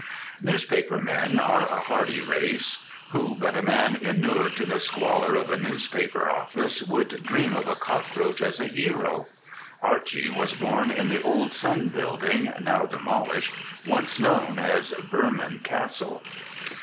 Newspaper men are a hardy race. Who but a man inured to the squalour of a newspaper office would dream of a cockroach as a hero? Archy was born in the old Sun building, now demolished, once known as Vermin Castle.